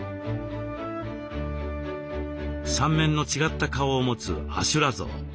３面の違った顔を持つ阿修羅像。